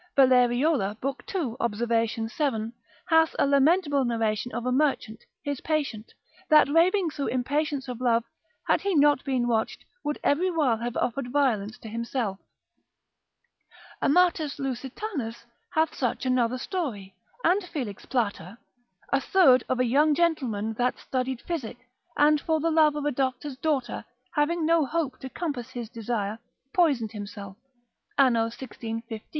Valleriola, lib. 2. observ. 7, hath a lamentable narration of a merchant, his patient, that raving through impatience of love, had he not been watched, would every while have offered violence to himself. Amatus Lusitanus, cent. 3. car. 56, hath such another story, and Felix Plater, med. observ. lib. 1. a third of a young gentleman that studied physic, and for the love of a doctor's daughter, having no hope to compass his desire, poisoned himself, anno 1615.